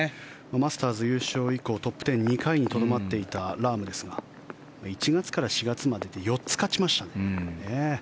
マスターズ優勝以降トップ１０、２回にとどまっていたラームですが１月から４月までで４つ勝ちましたね。